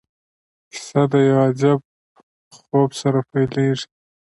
کیسه د یو عجیب خوب سره پیلیږي.